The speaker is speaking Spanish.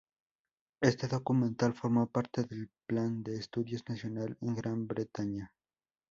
Este documental formó parte del Plan de estudios Nacional en Gran Bretaña.